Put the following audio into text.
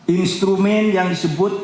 instrumen yang disebut